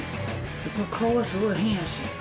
やっぱ顔はすごい変やし。